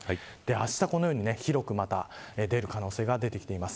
あした、このように広く、また出る可能性が出てきています。